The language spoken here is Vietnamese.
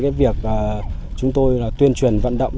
cái việc chúng tôi tuyên truyền vận động